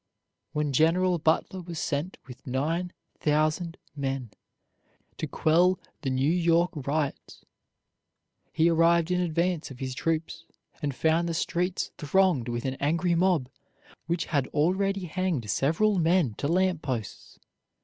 When General Butler was sent with nine thousand men to quell the New York riots, he arrived in advance of his troops, and found the streets thronged with an angry mob, which had already hanged several men to lamp posts.